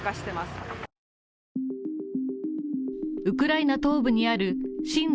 ウクライナ東部にある親